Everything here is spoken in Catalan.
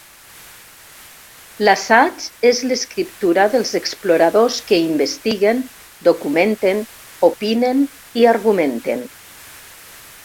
L'assaig és l'escriptura dels exploradors que investiguen, documenten, opinen i argumenten.